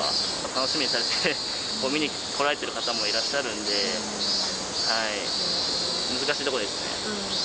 楽しみにされて、見に来られてる方もいらっしゃるんで、難しいところですね。